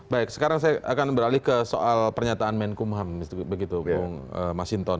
baik sekarang saya akan beralih ke soal pernyataan menkumham begitu bung masinton